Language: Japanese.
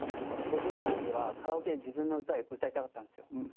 僕に関してはカラオケで自分の歌歌いたかったんですよ。